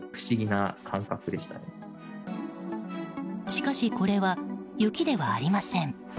しかしこれは雪ではありません。